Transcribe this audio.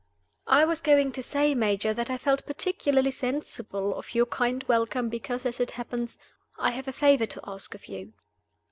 "I was going to say, Major, that I felt particularly sensible of your kind welcome because, as it happens, I have a favor to ask of you."